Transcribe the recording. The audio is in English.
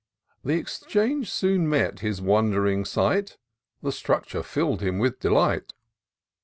Th' Exchange soon met his wond'ring sight ; The structure fill'd him with delight.